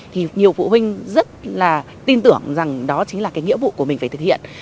thì nhiều phụ huynh rất là tin tưởng rằng đó chính là cái nghĩa vụ của mình phải thực hiện